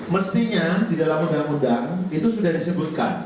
mestinya di dalam undang undang itu sudah disebutkan